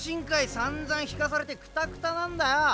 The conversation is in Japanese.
さんざん引かされてくたくたなんだよ。